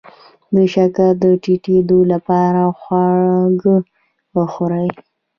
د شکر د ټیټیدو لپاره خواږه وخورئ